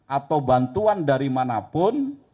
atau bantuan dari manapun